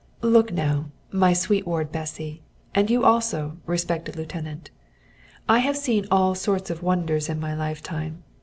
"Look now, my sweet ward Bessy, and you also, respected lieutenant, I have seen all sorts of wonders in my lifetime.